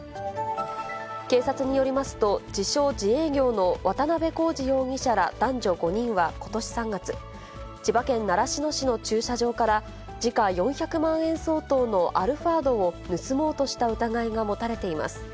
警察によりますと、自称自営業の渡辺功二容疑者ら男女５人はことし３月、千葉県習志野市の駐車場から、時価４００万円相当のアルファードを盗もうとした疑いが持たれています。